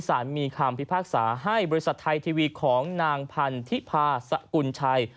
สารมีคำพิพากษาให้บริษัทไทยทีวีของนางพันธิพาสกุลชัย